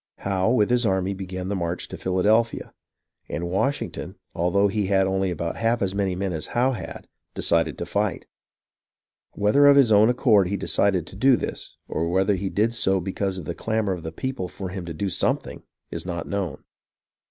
Howe with his army then began the march to Philadel phia ; and Washington, although he had only about half as many men as Howe had, decided to fight. Whether of his own accord he decided to do this, or whether he did so be cause of the clamour of the people for him to do something, is not known.